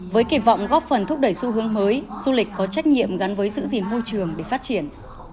với kỳ vọng góp phần thúc đẩy xu hướng mới du lịch có trách nhiệm gắn với giữ gìn môi trường để phát triển